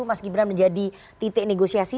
mas gibran menjadi titik negosiasi